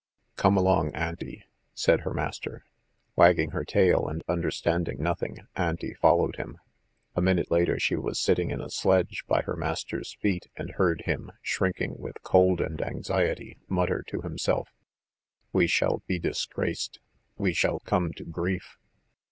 "Come along, Auntie," said her master. Wagging her tail, and understanding nothing, Auntie followed him. A minute later she was sitting in a sledge by her master's feet and heard him, shrinking with cold and anxiety, mutter to himself: "We shall be disgraced! We shall come to grief!"